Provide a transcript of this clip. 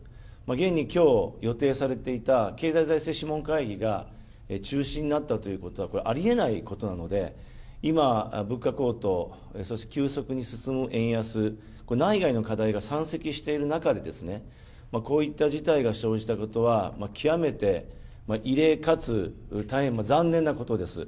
現にきょう予定されていた経済財政諮問会議が中止になったということは、これ、ありえないことなので、今、物価高騰、そして急速に進む円安、内外の課題が山積している中で、こういった事態が生じたことは極めて異例かつ大変残念なことです。